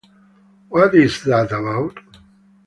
What is that about?